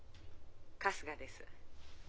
☎春日です。